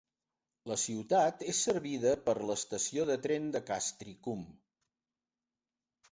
La ciutat és servida per l'estació de tren de Castricum.